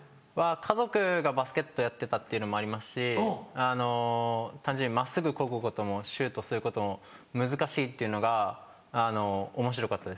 家族がバスケットやってたっていうのもありますし単純に真っすぐこぐこともシュートすることも難しいっていうのがおもしろかったですね。